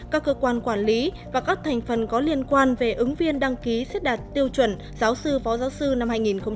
các cơ quan quản lý và các thành phần có liên quan về ứng viên đăng ký xét đạt tiêu chuẩn giáo sư phó giáo sư năm hai nghìn một mươi